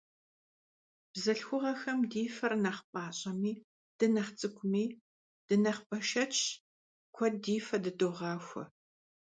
Бзылъхугъэхэм ди фэр нэхъ пӀащӀэми, дынэхъ цӀыкӀуми, дынэхъ бэшэчщ, куэд ди фэ дыдогъахуэ.